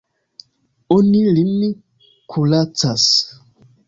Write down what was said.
Oni lin kuracas.